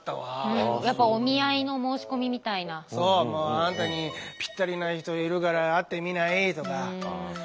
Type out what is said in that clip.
「あなたにぴったりな人いるから会ってみない？」とか。